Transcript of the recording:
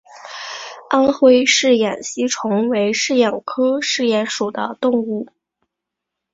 安徽嗜眼吸虫为嗜眼科嗜眼属的动物。